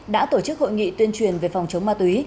đã tổ chức hội nghị tuyên truyền về phòng chống ma túy